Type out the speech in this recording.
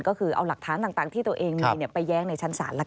ก็คือเอาหลักฐานต่างที่ตัวเองมีไปแย้งในชั้นศาล